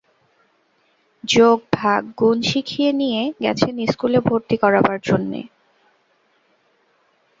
যোগ ভাগ গুণ শিখিয়ে নিয়ে গেছেন স্কুলে ভর্তি করাবার জন্যে।